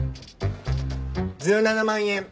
１７万円。